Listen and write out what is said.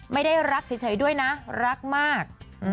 ไม่ได้รักเฉยด้วยนะรักมาก